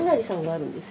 あるんです。